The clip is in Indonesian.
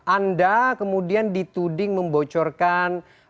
anda kemudian dituding membocorkan